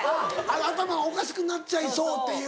「頭がおかしくなっちゃいそう」っていう。